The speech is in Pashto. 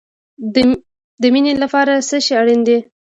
د مینې لپاره څه شی اړین دی؟